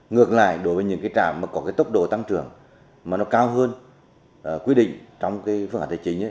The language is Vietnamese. ngược lại đối với những cái trạm mà có cái tốc độ tăng trưởng mà nó cao hơn quy định trong cái phương án tài chính